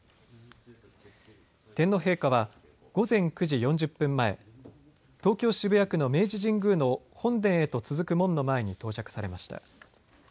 天皇陛下は午前９時４０分前、東京渋谷区の明治神宮の本殿へと続く門の前に到着されました。